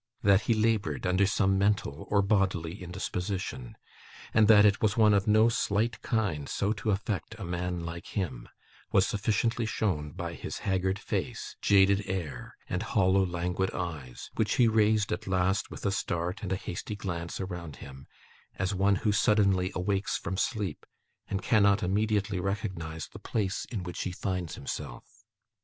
That he laboured under some mental or bodily indisposition, and that it was one of no slight kind so to affect a man like him, was sufficiently shown by his haggard face, jaded air, and hollow languid eyes: which he raised at last with a start and a hasty glance around him, as one who suddenly awakes from sleep, and cannot immediately recognise the place in which he finds himself.